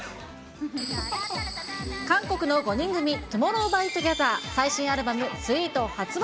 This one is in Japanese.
韓国の５人組、ＴＯＭＯＲＲＯＷＸＴＯＧＥＴＨＥＲ、最新アルバム、スイート発売